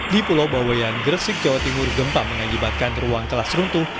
di pulau bawayan gresik jawa timur gempa mengakibatkan ruang kelas runtuh